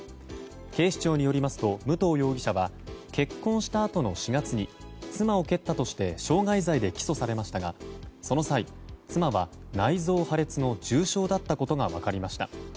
警察によりますと武藤容疑者は結婚したあとの４月に妻を蹴ったとして傷害罪で起訴されましたがその際、妻は内臓破裂の重傷だったことが分かりました。